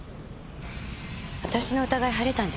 私の疑い晴れたんじゃないんですか？